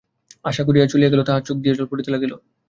আশা রাগিয়া চলিয়া গেল–তাহার চোখ দিয়া জল পড়িতে লাগিল।